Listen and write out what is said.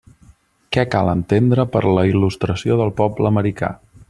Què cal entendre per la il·lustració del poble americà.